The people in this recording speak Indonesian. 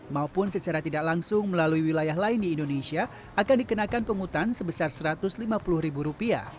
maupun secara tidak langsung melalui wilayah lain di indonesia akan dikenakan penghutan sebesar rp satu ratus lima puluh